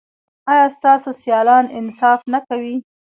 ایا ستاسو سیالان انصاف نه کوي؟